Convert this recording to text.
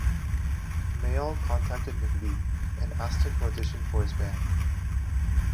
Mayall contacted McVie, and asked him to audition for his band.